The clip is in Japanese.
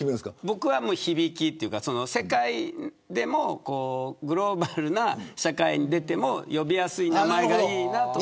僕は響きというかグローバルな社会に出ても呼びやすい名前がいいなと。